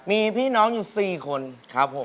มีพี่น้องอยู่๔คนครับผม